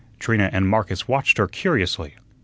Trina and Marcus watched her curiously.